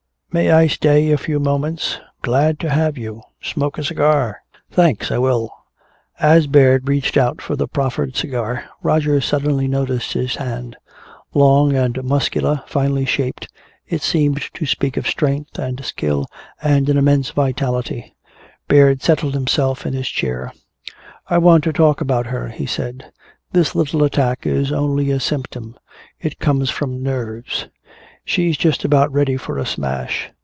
May I stay a few moments?" "Glad to have you! Smoke a cigar!" "Thanks I will." As Baird reached out for the proffered cigar, Roger suddenly noticed his hand. Long and muscular, finely shaped, it seemed to speak of strength and skill and an immense vitality. Baird settled himself in his chair. "I want to talk about her," he said. "This little attack is only a symptom it comes from nerves. She's just about ready for a smash.